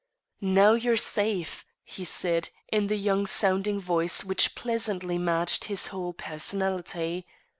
"Now you're safe," he said, in the young sounding voice which pleasantly matched his whole personality.